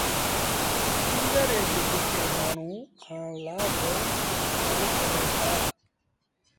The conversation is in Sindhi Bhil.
اسپيٚنگر ري ٻج کي مآڻهوٚٚݩ کآڻ لآ با استمآل ڪريݩ دآ۔